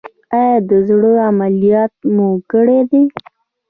ایا د زړه عملیات مو کړی دی؟